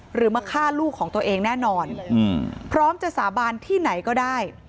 หรือมาฆ่าลูกของตัวเองแน่นอนพร้อมจะสาบานที่ไหนก็ได้